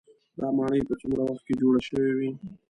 دا ماڼۍ په څومره وخت کې جوړې شوې وي.